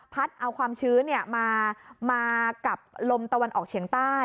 เอาความชื้นมากับลมตะวันออกเฉียงใต้